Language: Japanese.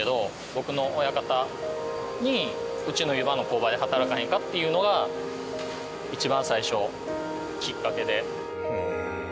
僕の親方にうちの湯葉の工場で働かへんかっていうのが一番最初きっかけで。